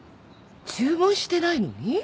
注文してないのに？